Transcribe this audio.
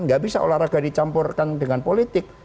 nggak bisa olahraga dicampurkan dengan politik